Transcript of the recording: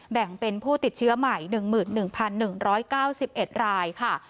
แบ่งเป็นผู้ติดเชื้อใหม่หนึ่งหมื่นหนึ่งพันหนึ่งร้อยเก้าสิบเอ็ดรายค่ะ